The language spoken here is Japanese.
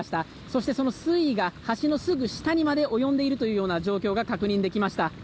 そして、その水位が橋のすぐ下にまで及んでいるというような状況が確認できました。